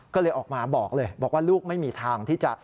ก็เลยออกมาบอกเลยบอกว่าลูกไม่มีทางที่จะ